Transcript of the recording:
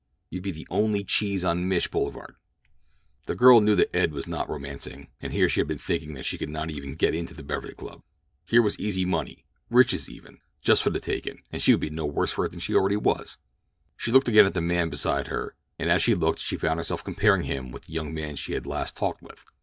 You'd be the only cheese on Mich. Boul." The girl knew that Eddie was not romancing; and here she had been thinking that she could not even get into the Beverley Club. Here was easy money—riches even—just for the taking; and she would be no worse for it than she already was. She looked again at the man beside her, and as she looked she found herself comparing him with the young man she had last talked with.